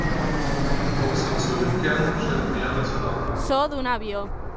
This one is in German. Ob sie zurückkehren, scheint mehr als fraglich.